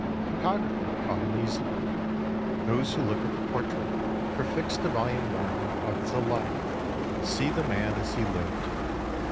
Photography caught him easily. Those who look at the portrait prefixed to Volume I. of the Life see the man as he lived.